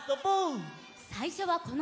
さいしょはこのうた！